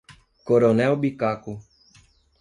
Coronel Bicaco